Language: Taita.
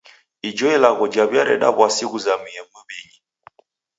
Ijo ilagho jaw'iareda w'asi ghuzamie miw'inyi.